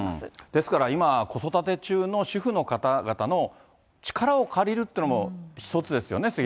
ですから今、子育て中の主婦の方々の力を借りるっていうのも一つですよね。